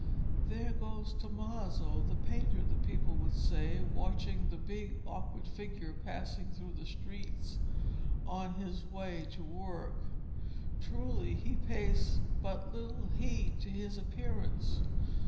'There goes Tommaso the painter,' the people would say, watching the big awkward figure passing through the streets on his way to work. 'Truly he pays but little heed to his appearance.